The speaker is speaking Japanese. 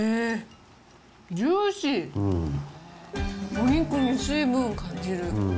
お肉に水分感じる。